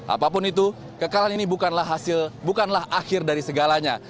apapun itu kekalahan ini bukanlah hasil bukanlah akhir dari segalanya